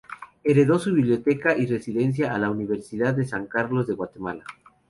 Heredó su biblioteca y residencia a la Universidad de San Carlos de Guatemala.